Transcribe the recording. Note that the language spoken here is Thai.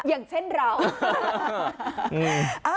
อย่างเช่นเรา